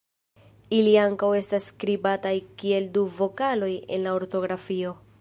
Ili ankaŭ estas skribataj kiel du vokaloj en la ortografio.